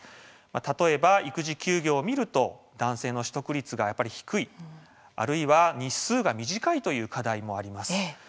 例えば育児休業を見ると男性の取得率が低い、あるいは日数が短いという課題もあります。